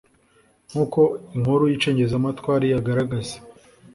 nk’uko inkuru y’icengezamatwara iyagaragaza